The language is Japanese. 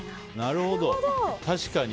確かに。